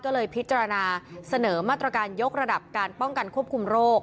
ก็เลยพิจารณาเสนอมาตรการยกระดับการป้องกันควบคุมโรค